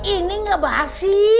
ini gak basi